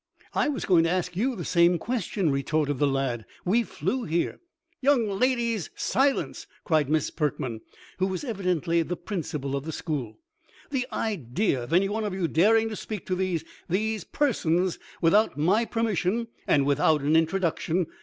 "I was going to ask you the same question," retorted the lad. "We flew here." "Young ladies! Silence!" cried Miss Perkman, who was evidently the principal of the school. "The idea of any one of you daring to speak to these these persons without my permission, and without an introduction!